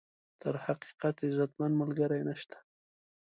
تر حقیقت، عزتمن ملګری نشته.